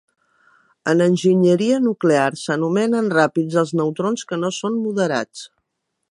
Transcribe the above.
En enginyeria nuclear s'anomenen ràpids els neutrons que no són moderats.